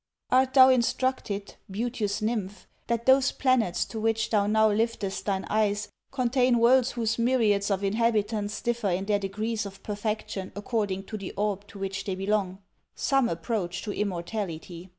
'Art thou instructed, beauteous nymph, that those planets to which thou now liftest thine eyes contain worlds whose myriads of inhabitants differ in their degrees of perfection according to the orb to which they belong? Some approach to immortality.